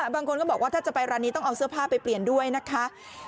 บางคนก็บอกว่าถ้าจะไปร้านนี้ต้องเอาเสื้อผ้าไปเปลี่ยนด้วยนะคะ